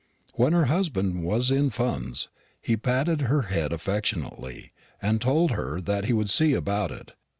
When her husband was in funds, he patted her head affectionately, and told her that he would see about it i.